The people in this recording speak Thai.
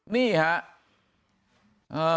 นี่ฮะ